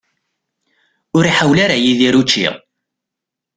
Ur iḥawel ara Yidir učči.